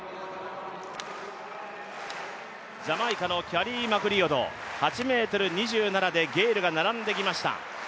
ジャマイカのキャリー・マクリオド８ｍ２７でゲイルが並んできました。